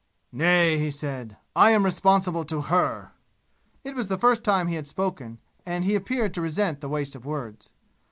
"Nay!" he said, "I am responsible to her." It was the first time he had spoken and he appeared to resent the waste of words.